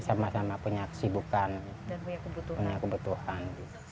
sama sama punya kesibukan punya kebutuhan